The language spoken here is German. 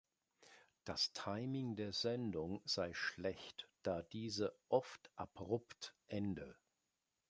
Das „Timing der Sendung“ sei schlecht, da diese „oft abrupt“ ende.